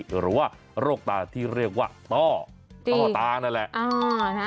หรือว่าโรคตาที่เรียกว่าต้อต้อตานั่นแหละ